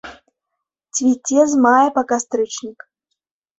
Цвіце з мая па кастрычнік.